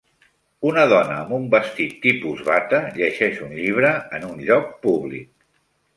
Una dona amb un vestit tipus bata llegeix un llibre en un lloc públic.